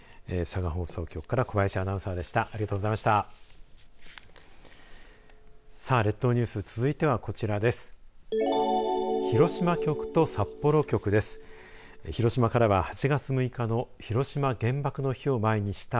佐賀放送局から小林アナウンサーでした。